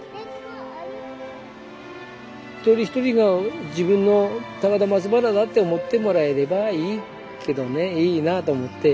一人一人が自分の高田松原だって思ってもらえればいいけどねいいなと思って。